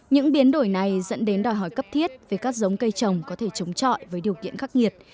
những biến đổi này dẫn đến đòi hỏi cấp thiết về các giống cây trồng có thể chống trọi với điều kiện khắc nghiệt